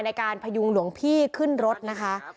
พยุงหลวงพี่ขึ้นรถนะคะ